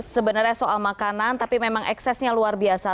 sebenarnya soal makanan tapi memang eksesnya luar biasa